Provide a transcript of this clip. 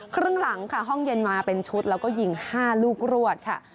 ครึ่งหลังค่ะห้องเย็นมาเป็นชุดแล้วก็ยิง๕ลูกรวดค่ะ